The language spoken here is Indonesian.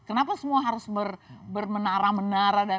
kenapa semua harus bermenara menara dan